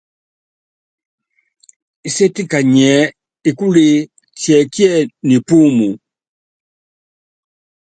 Nséti kanyiɛ́: Ekúlee tiɛkiɛ, Nipúumu ?